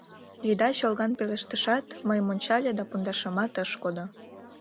— Лида чолган пелештышат, мыйым ончале да пундашымат ыш кодо.